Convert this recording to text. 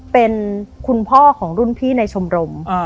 เป็นคุณพ่อของรุ่นพี่ในชมรม